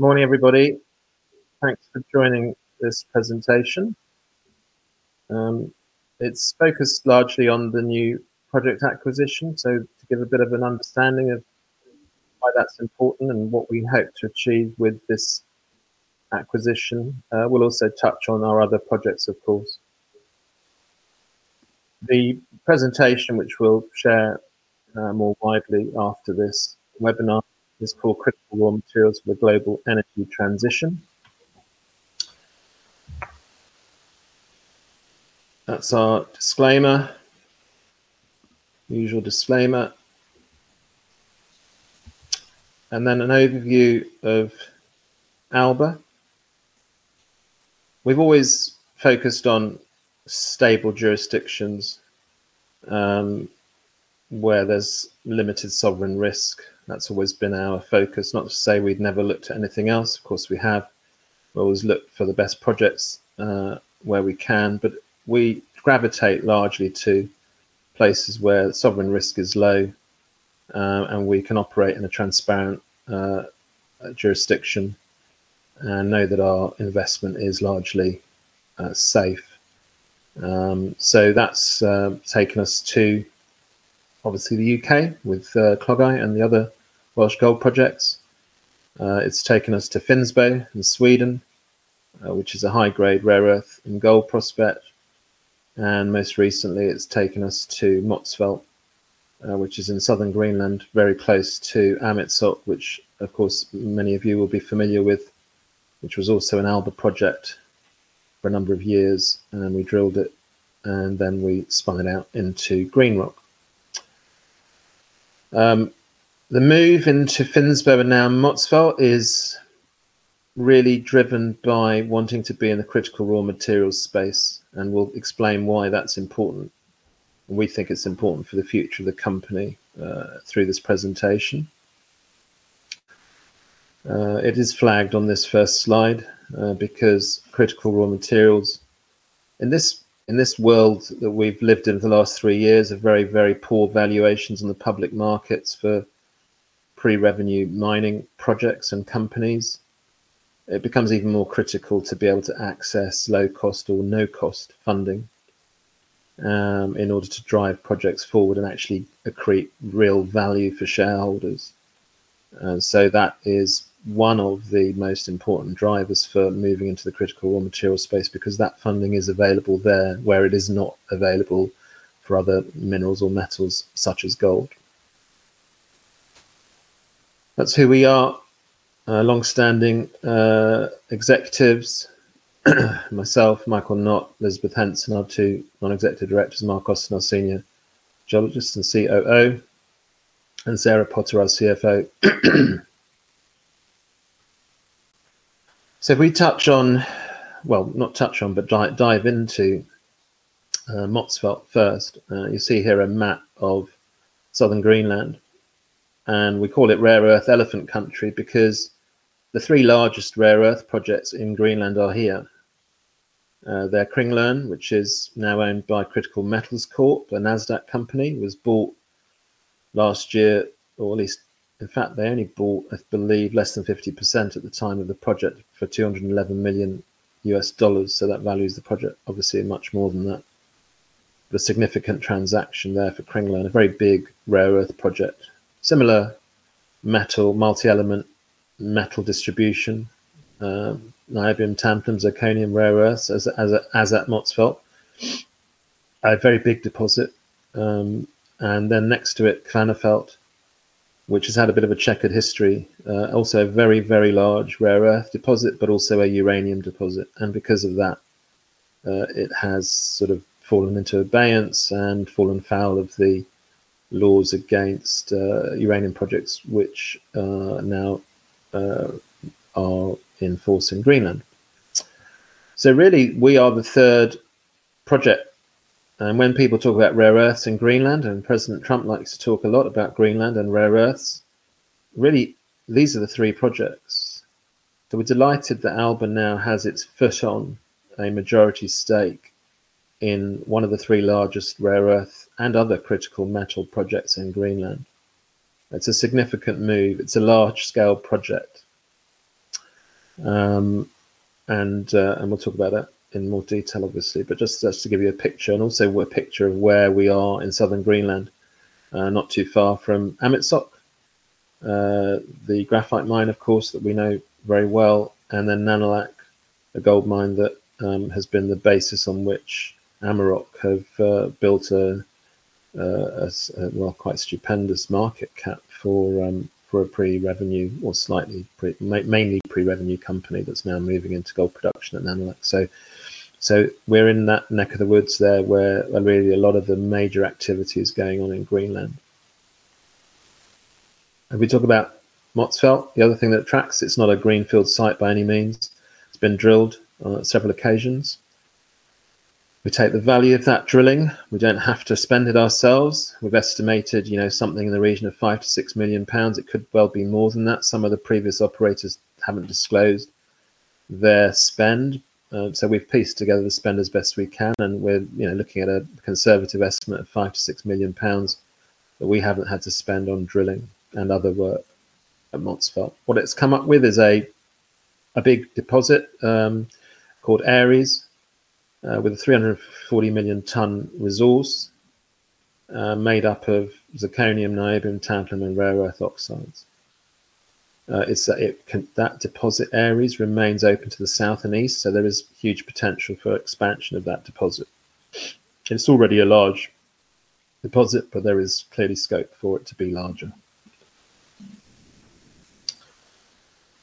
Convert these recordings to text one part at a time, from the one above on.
Morning, everybody. Thanks for joining this presentation. It's focused largely on the new project acquisition, so to give a bit of an understanding of why that's important and what we hope to achieve with this acquisition. We'll also touch on our other projects, of course. The presentation, which we'll share more widely after this webinar, is called Critical Raw Materials for the Global Energy Transition. That's our disclaimer. Usual disclaimer. Then an overview of Alba. We've always focused on stable jurisdictions, where there's limited sovereign risk. That's always been our focus. Not to say we'd never looked at anything else. Of course, we have. We always look for the best projects, where we can, but we gravitate largely to places where sovereign risk is low, and we can operate in a transparent jurisdiction and know that our investment is largely safe. That's, obviously, taken us to the U.K. with Clogau and the other Welsh gold projects. It's taken us to Finnsbo in Sweden, which is a high-grade rare earth and gold prospect. Most recently, it's taken us to Motzfeldt, which is in southern Greenland, very close to Amitsoq, which of course many of you will be familiar with, which was also an Alba project for a number of years. We drilled it, and we spun it out into GreenRoc. The move into Finnsbo and now Motzfeldt is really driven by wanting to be in the critical raw materials space, and we'll explain why that's important, and we think it's important for the future of the company, through this presentation. It is flagged on this first slide, because critical raw materials... In this world that we've lived in for the last three years of very, very poor valuations in the public markets for pre-revenue mining projects and companies, it becomes even more critical to be able to access low-cost or no-cost funding in order to drive projects forward and actually accrete real value for shareholders. That is one of the most important drivers for moving into the critical raw material space because that funding is available there, where it is not available for other minerals or metals, such as gold. That's who we are. Our longstanding executives, myself, Michael Nott, Elizabeth Henson, our two non-executive directors, Mark Austin, our senior geologist and COO, and Sarah Potter, our CFO. If we dive into Motzfeldt first. You see here a map of southern Greenland. We call it rare earth elephant country because the three largest rare earth projects in Greenland are here. They're Kringlerne, which is now owned by Critical Metals Corp, a Nasdaq company. It was bought last year, or at least. In fact, they only bought, I believe, less than 50% at the time of the project for $211 million. That values the project, obviously, at much more than that. A significant transaction there for Kringlerne, a very big rare earth project. Similar metal, multi-element metal distribution, niobium, tantalum, zirconium, rare earths, as at Motzfeldt. A very big deposit. Then next to it, Kvanefjeld, which has had a bit of a checkered history. Also a very, very large rare earth deposit, but also a uranium deposit. Because of that, it has sort of fallen into abeyance and fallen foul of the laws against uranium projects, which now are in force in Greenland. Really, we are the third project. When people talk about rare earths in Greenland, and President Trump likes to talk a lot about Greenland and rare earths, really, these are the three projects. We're delighted that Alba now has its foot on a majority stake in one of the three largest rare earth and other critical metal projects in Greenland. It's a significant move. It's a large-scale project. We'll talk about that in more detail obviously. Just to give you a picture and also a picture of where we are in southern Greenland, not too far from Amitsoq, the graphite mine of course that we know very well, and then Nalunaq, a gold mine that has been the basis on which Amaroq have built a well, quite stupendous market cap for a pre-revenue or mainly pre-revenue company that's now moving into gold production at Nalunaq. We're in that neck of the woods there where really a lot of the major activity is going on in Greenland. If we talk about Motzfeldt, the other thing that tracks, it's not a greenfield site by any means. It's been drilled on several occasions. We take the value of that drilling. We don't have to spend it ourselves. We've estimated, you know, something in the region of 5 million-6 million pounds. It could well be more than that. Some of the previous operators haven't disclosed their spend. We've pieced together the spend as best we can, and we're, you know, looking at a conservative estimate of 5 million-6 million pounds that we haven't had to spend on drilling and other work at Motzfeldt. What it's come up with is a big deposit called Aries with 340 million ton resource made up of zirconium, niobium, tantalum, and rare earth oxides. That deposit, Aries, remains open to the south and east, so there is huge potential for expansion of that deposit. It's already a large deposit, but there is clearly scope for it to be larger.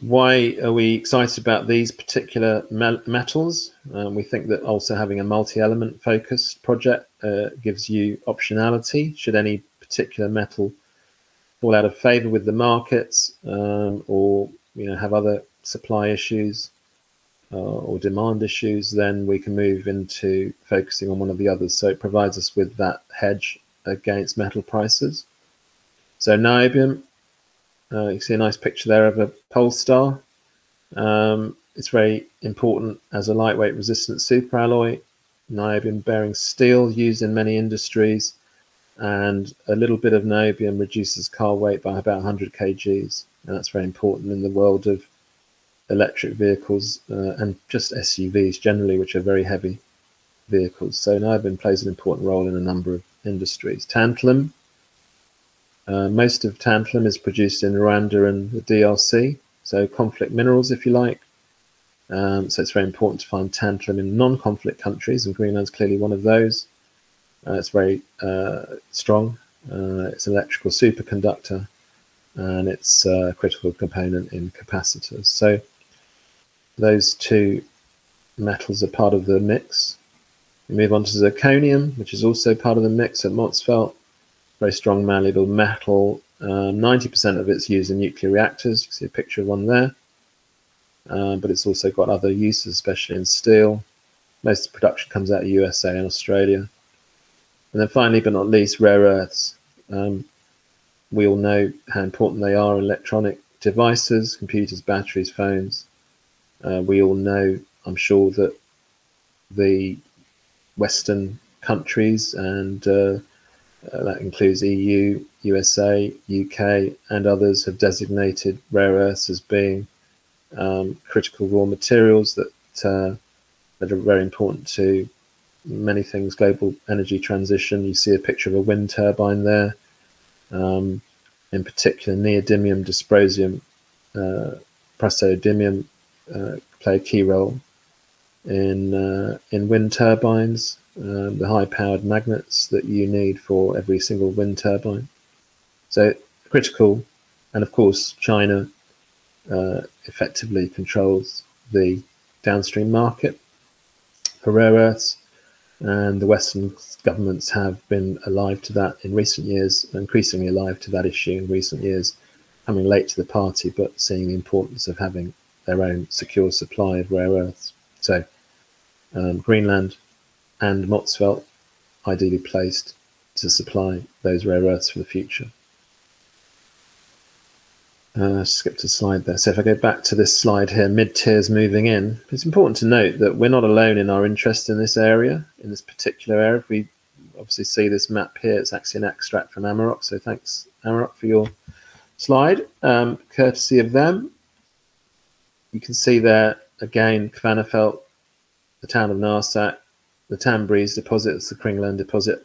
Why are we excited about these particular metals? We think that also having a multi-element focus project gives you optionality should any particular metal fall out of favor with the markets, or, you know, have other supply issues, or demand issues, then we can move into focusing on one of the others. It provides us with that hedge against metal prices. Niobium, you can see a nice picture there of a Polestar. It's very important as a lightweight resistant superalloy niobium-bearing steel used in many industries, and a little bit of niobium reduces car weight by about 100 kgs, and that's very important in the world of electric vehicles, and just SUVs generally, which are very heavy vehicles. Niobium plays an important role in a number of industries. Tantalum. Most of tantalum is produced in Rwanda and the DRC, so conflict minerals, if you like. It's very important to find tantalum in non-conflict countries, and Greenland is clearly one of those. It's very strong, it's electrical superconductor, and it's a critical component in capacitors. Those two metals are part of the mix. We move on to zirconium, which is also part of the mix at Motzfeldt. Very strong malleable metal. 90% of it is used in nuclear reactors. You see a picture of one there. It's also got other uses, especially in steel. Most of the production comes out of U.S. and Australia. Finally, but not least, rare earths. We all know how important they are in electronic devices, computers, batteries, phones. We all know, I'm sure, that the Western countries and that includes EU, U.S.A., U.K., and others have designated rare earths as being critical raw materials that are very important to many things, global energy transition. You see a picture of a wind turbine there. In particular, neodymium, dysprosium, praseodymium play a key role in wind turbines, the high-powered magnets that you need for every single wind turbine. So critical and, of course, China effectively controls the downstream market for rare earths, and the Western governments have been alive to that in recent years, increasingly alive to that issue in recent years. Coming late to the party, but seeing the importance of having their own secure supply of rare earths. Greenland and Motzfeldt ideally placed to supply those rare earths for the future. Skipped a slide there. If I go back to this slide here, mid-tiers moving in. It's important to note that we're not alone in our interest in this area, in this particular area. If we obviously see this map here, it's actually an extract from Amaroq. Thanks Amaroq for your slide. Courtesy of them. You can see there again, Kvanefjeld, the town of Narsaq, the Tanbreez deposits, the Kringlerne deposit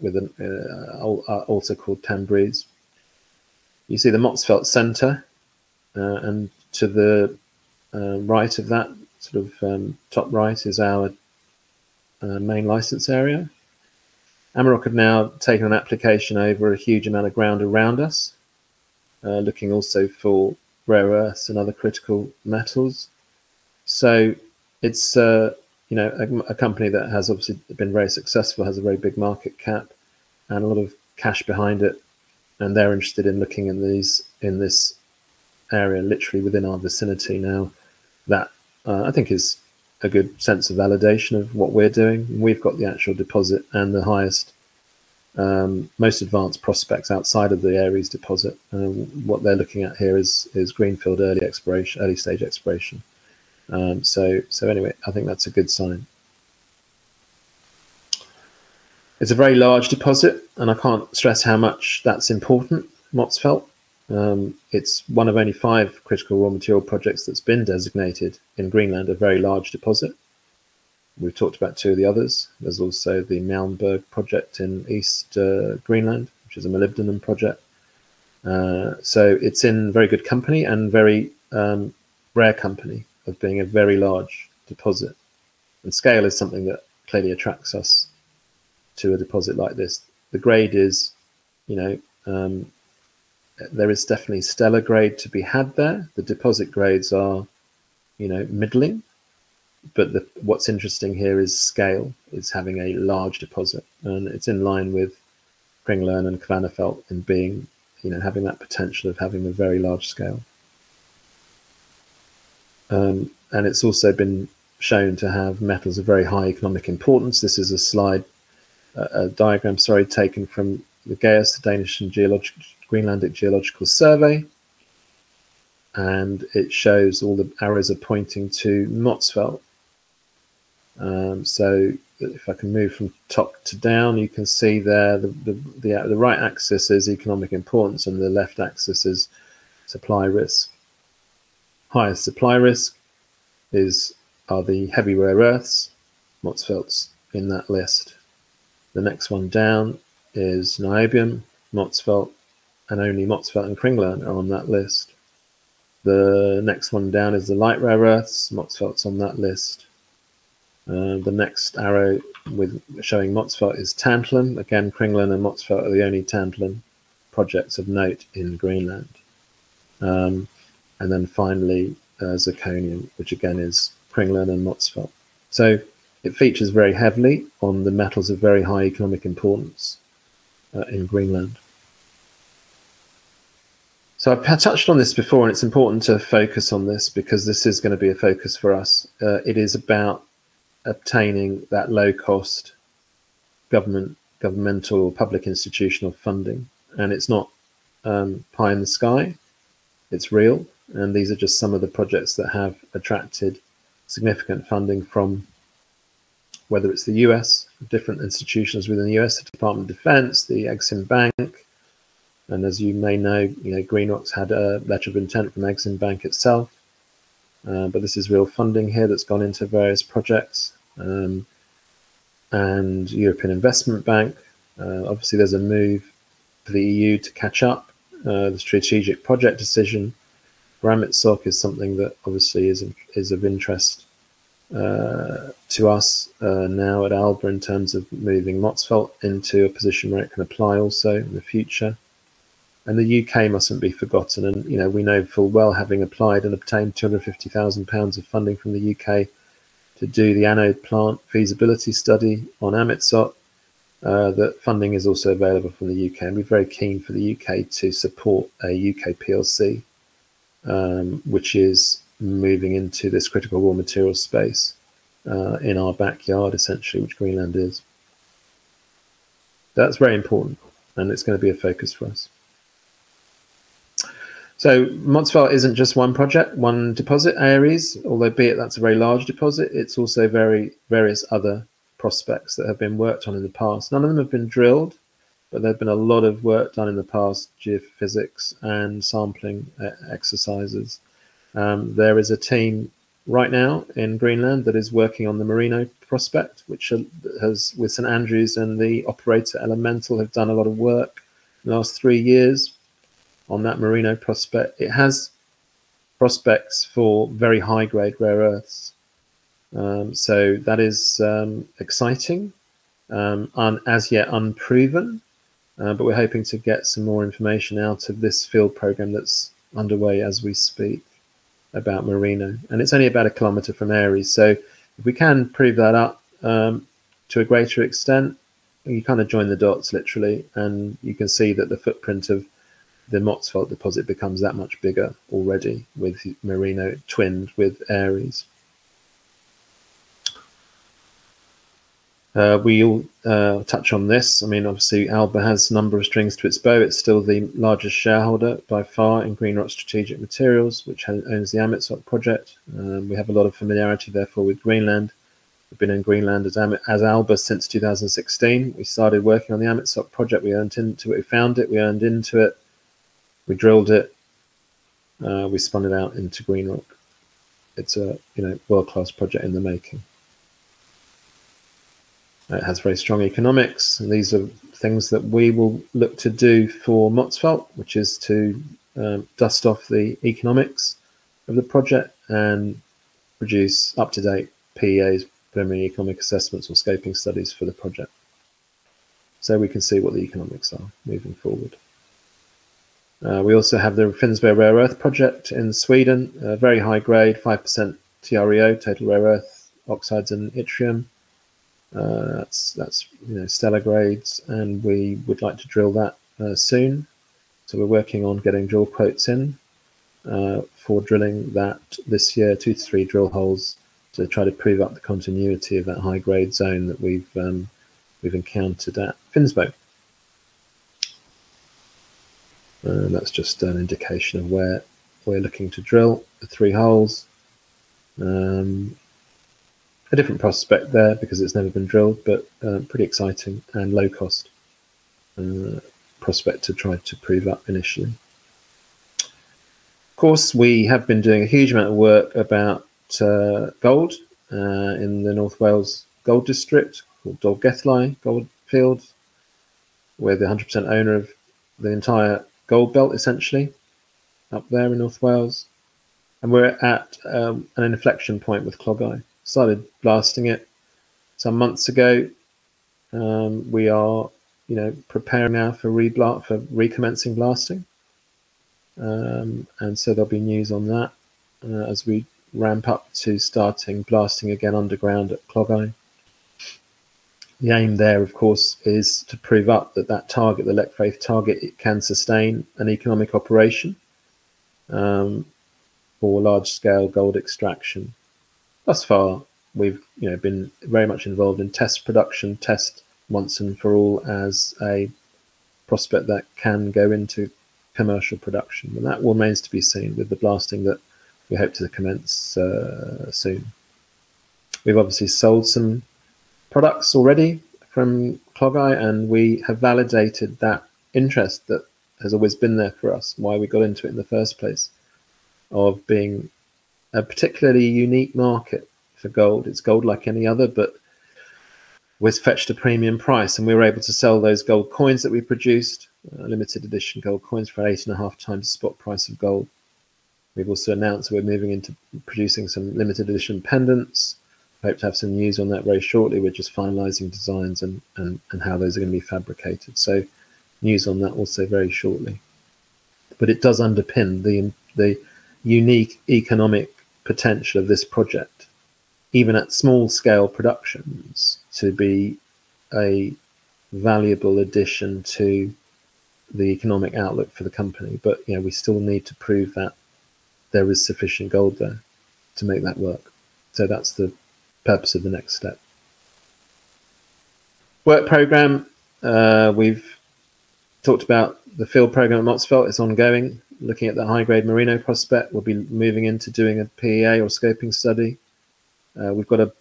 also called Tanbreez. You see the Motzfeldt center, and to the right of that, sort of, top right is our main license area. Amaroq have now taken an application over a huge amount of ground around us, looking also for rare earths and other critical metals. It's, you know, a company that has obviously been very successful, has a very big market cap and a lot of cash behind it, and they're interested in looking in this area, literally within our vicinity now. That, I think is a good sense of validation of what we're doing. We've got the actual deposit and the highest, most advanced prospects outside of the Aries deposit. What they're looking at here is greenfield early stage exploration. Anyway, I think that's a good sign. It's a very large deposit, and I can't stress how much that's important, Motzfeldt. It's one of only five critical raw material projects that's been designated in Greenland, a very large deposit. We've talked about two of the others. There's also the Malmbjerg project in east Greenland, which is a molybdenum project. It's in very good company and very rare company of being a very large deposit. Scale is something that clearly attracts us to a deposit like this. The grade is, you know, there is definitely stellar grade to be had there. The deposit grades are, you know, middling. What's interesting here is scale, is having a large deposit, and it's in line with Kringlerne and Kvanefjeld in being, you know, having that potential of having a very large scale. It's also been shown to have metals of very high economic importance. This is a slide, a diagram, sorry, taken from the GEUS, the Danish and Greenlandic Geological Survey, and it shows all the arrows are pointing to Motzfeldt. If I can move from top to down, you can see there the right axis is economic importance and the left axis is supply risk. Highest supply risk are the heavy rare earths, Motzfeldt's in that list. The next one down is niobium, Motzfeldt, and only Motzfeldt and Kringlerne are on that list. The next one down is the light rare earths, Motzfeldt's on that list. The next arrow showing Motzfeldt is tantalum. Again, Kringlerne and Motzfeldt are the only tantalum projects of note in Greenland. And then finally, zirconium, which again is Kringlerne and Motzfeldt. It features very heavily on the metals of very high economic importance in Greenland. I've touched on this before, and it's important to focus on this because this is gonna be a focus for us. It is about obtaining that low-cost governmental public institutional funding, and it's not pie in the sky, it's real, and these are just some of the projects that have attracted significant funding from whether it's the U.S., different institutions within the U.S., the Department of Defense, the Ex-Im Bank. As you may know, you know, GreenRoc's had a letter of intent from Ex-Im Bank itself, but this is real funding here that's gone into various projects. European Investment Bank, obviously there's a move for the EU to catch up, the strategic project decision. Amitsoq is something that obviously is of interest to us now at Alba in terms of moving Motzfeldt into a position where it can apply also in the future. The U.K. mustn't be forgotten and, you know, we know full well, having applied and obtained 250,000 pounds of funding from the U.K. to do the anode plant feasibility study on Amitsoq, that funding is also available from the U.K., and we're very keen for the U.K. to support a U.K. PLC, which is moving into this critical raw material space, in our backyard, essentially, which Greenland is. That's very important and it's gonna be a focus for us. Motzfeldt isn't just one project, one deposit, Aries, albeit that's a very large deposit. It's also a variety of other prospects that have been worked on in the past. None of them have been drilled, but there's been a lot of work done in the past, geophysics and sampling exercises. There is a team right now in Greenland that is working on the Merino prospect, which has with University of St Andrews and the operator Elemental Exploration done a lot of work the last three years on that Merino prospect. It has prospects for very high-grade rare earths, so that is exciting. As yet unproven, but we're hoping to get some more information out of this field program that's underway as we speak about Merino. It's only about a kilometer from Aries. If we can prove that up to a greater extent, you kind of join the dots literally, and you can see that the footprint of the Motzfeldt deposit becomes that much bigger already with Merino twinned with Aries. We'll touch on this. I mean, obviously Alba has a number of strings to its bow. It's still the largest shareholder by far in GreenRoc Strategic Materials, which owns the Amitsoq project. We have a lot of familiarity, therefore, with Greenland. We've been in Greenland as Alba since 2016. We started working on the Amitsoq project. We earned into it. We found it, we earned into it. We drilled it. We spun it out into GreenRoc. It's a, you know, world-class project in the making. It has very strong economics, and these are things that we will look to do for Motzfeldt, which is to dust off the economics of the project and produce up-to-date PEAs, preliminary economic assessments or scoping studies for the project, so we can see what the economics are moving forward. We also have the Finnsbo rare earth project in Sweden. A very high grade, 5% TREO, total rare earth oxides and yttrium. That's you know stellar grades, and we would like to drill that soon. We're working on getting drill quotes in for drilling that this year. two-three drill holes to try to prove up the continuity of that high-grade zone that we've encountered at Finnsbo. That's just an indication of where we're looking to drill the three holes. A different prospect there because it's never been drilled, but pretty exciting and low cost prospect to try to prove up initially. Of course, we have been doing a huge amount of work about gold in the North Wales Gold District, called Dolgellau Goldfield. We're the 100% owner of the entire gold belt, essentially, up there in North Wales. We're at an inflection point with Clogau. Started blasting it some months ago. We are, you know, preparing now for recommencing blasting. There'll be news on that as we ramp up to starting blasting again underground at Clogau. The aim there, of course, is to prove up that target, the Llechfraith target, it can sustain an economic operation for large scale gold extraction. Thus far, we've, you know, been very much involved in test production to test once and for all as a prospect that can go into commercial production, and that remains to be seen with the blasting that we hope to commence soon. We've obviously sold some products already from Clogau, and we have validated that interest that has always been there for us, why we got into it in the first place, of being a particularly unique market for gold. It's gold like any other, but it fetched a premium price, and we were able to sell those gold coins that we produced, limited edition gold coins for eight and a half times spot price of gold. We've also announced we're moving into producing some limited edition pendants. I hope to have some news on that very shortly. We're just finalizing designs and how those are gonna be fabricated. News on that also very shortly. It does underpin the unique economic potential of this project, even at small scale productions, to be a valuable addition to the economic outlook for the company. You know, we still need to prove that there is sufficient gold there to make that work. That's the purpose of the next step work program. We've talked about the field program at Motzfeldt. It's ongoing. Looking at the high-grade Merino prospect, we'll be moving into doing a PEA or scoping study. We've got the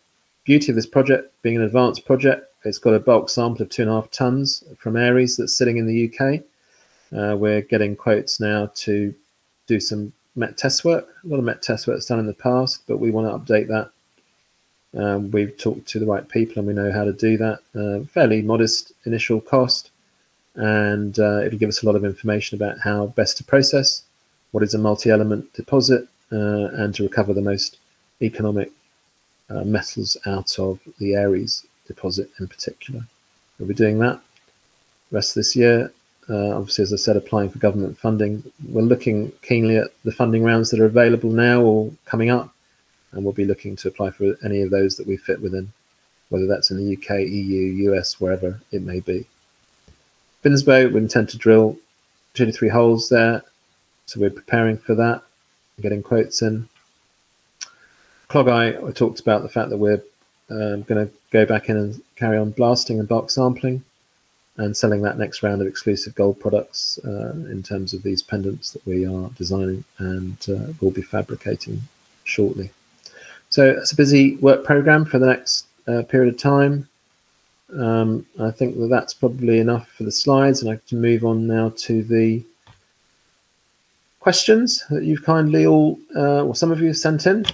beauty of this project being an advanced project, it's got a bulk sample of 2.5 tons from Aries that's sitting in the U.K. We're getting quotes now to do some metallurgical test work. A lot of metallurgical test work's done in the past, but we wanna update that. We've talked to the right people, and we know how to do that. Fairly modest initial cost and, it'll give us a lot of information about how best to process what is a multi-element deposit, and to recover the most economic metals out of the Aries deposit in particular. We'll be doing that the rest of this year. Obviously, as I said, we're applying for government funding. We're looking keenly at the funding rounds that are available now or coming up, and we'll be looking to apply for any of those that we fit within, whether that's in the U.K., E.U., U.S., wherever it may be. Finnsbo, we intend to drill two-three holes there, so we're preparing for that. We're getting quotes in. Clogau, I talked about the fact that we're gonna go back in and carry on blasting and bulk sampling and selling that next round of exclusive gold products in terms of these pendants that we are designing and will be fabricating shortly. It's a busy work program for the next period of time. I think that that's probably enough for the slides, and I can move on now to the questions that you've kindly all or some of you have sent in.